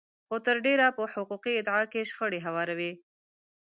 خو تر ډېره په حقوقي ادعا کې شخړې هواروي.